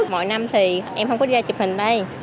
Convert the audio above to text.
mỗi năm thì em không có đi ra chụp hình đây